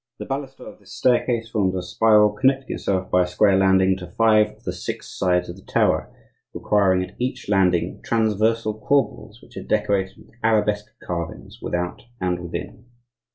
The baluster of this staircase forms a spiral connecting itself by a square landing to five of the six sides of the tower, requiring at each landing transversal corbels which are decorated with arabesque carvings without and within.